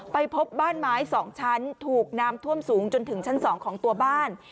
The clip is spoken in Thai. พบบ้านไม้๒ชั้นถูกน้ำท่วมสูงจนถึงชั้น๒ของตัวบ้าน